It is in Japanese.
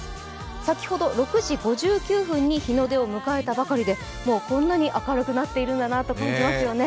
先ほど６時５９分に日の出を迎えたばかりでもうこんなに明るくなっているんだなと感じますよね。